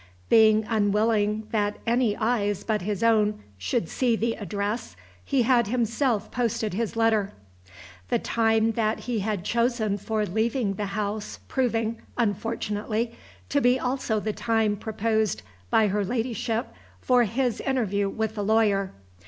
Being unwilling that any eyes but his own should see the address, he had himself posted his letter; the time that he had chosen for leaving the house proving, unfortunately, to be also the time proposed by her Ladyship for his interview with the lawyer.